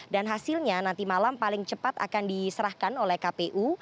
dan hasilnya nanti malam paling cepat akan diserahkan oleh kpu